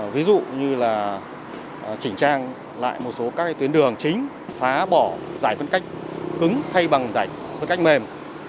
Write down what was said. ví dụ như là chỉnh trang lại một số các tuyến đường chính phá bỏ giải phân cách cứng thay bằng giải phân cách mềm